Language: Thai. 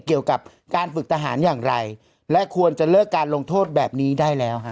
เกี่ยวกับการฝึกทหารอย่างไรและควรจะเลิกการลงโทษแบบนี้ได้แล้วฮะ